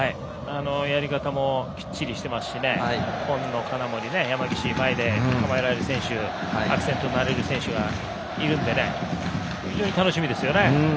やり方もきっちりしていますし紺野、金森、山岸前で止められる選手アクセントになれる選手がいるので非常に楽しみですね。